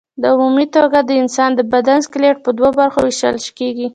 په عمومي توګه د انسان د بدن سکلېټ په دوو برخو ویشل کېږي.